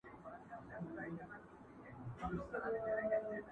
چي پرې ایښي چا و شاته هنري علمي آثار دي،